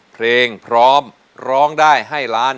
เพลงพร้อมร้องได้ให้ล้าน